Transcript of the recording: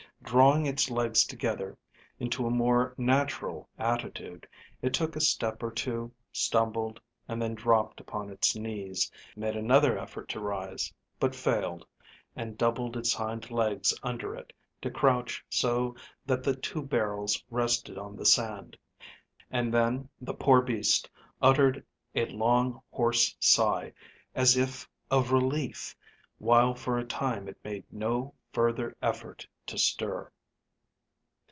Drawing its legs together into a more natural attitude, it took a step or two, stumbled, and then dropped upon its knees, made another effort to rise, but failed, and doubled its hind legs under it, to crouch so that the two barrels rested on the sand; and then the poor beast uttered a long hoarse sigh as if of relief, while for a time it made no further effort to stir.